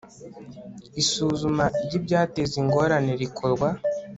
Isuzuma ry ibyateza ingorane rikorwa